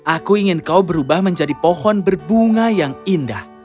aku ingin kau berubah menjadi pohon berbunga yang indah